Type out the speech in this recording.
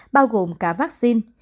bao gồm cả vaccine